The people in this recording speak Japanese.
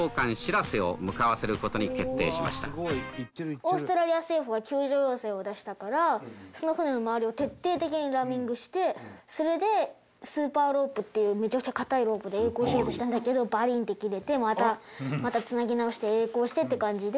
オーストラリア政府が救助要請を出したからその船の周りを徹底的にラミングしてそれでスーパーロープっていうめちゃくちゃ硬いロープで曳航しようとしたんだけどバリンって切れてまたまたつなぎ直して曳航してっていう感じで。